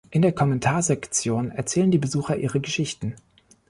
In der Kommentarsektion erzählen die Besucher ihre Geschichten.